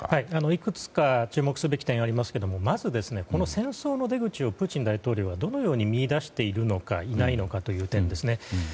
いくつか注目すべき点がありますがまず、この戦争の出口をプーチン大統領はどのように見いだしているのかいないのかという点ですね。